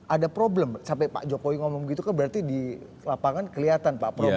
ada problem sampai pak jokowi ngomong gitu kan berarti di lapangan kelihatan pak problemnya